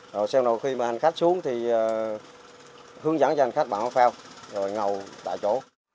rồi sau đó khi mà hành khách xuống thì hướng dẫn cho hành khách bằng áo phao rồi ngầu tại chỗ